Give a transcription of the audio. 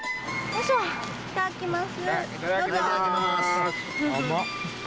いただきます。